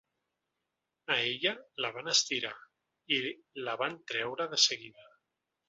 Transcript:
A ella la van estirar i la van treure de seguida.